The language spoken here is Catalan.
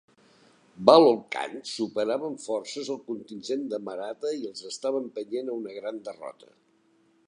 Bahlol Khan superava en forces el contingent de Maratha i els estava empenyent a una gran derrota.